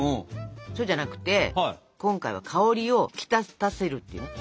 そうじゃなくて今回は香りを引き立たせるっていうかね